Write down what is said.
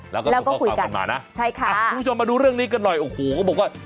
แล้วก็คุยกันมานะใช่ค่ะคุณผู้ชมมาดูเรื่องนี้กันหน่อยโอ้โหเขาบอกว่า